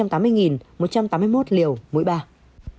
tại bình dương